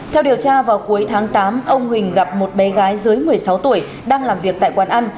theo điều tra vào cuối tháng tám ông huỳnh gặp một bé gái dưới một mươi sáu tuổi đang làm việc tại quán ăn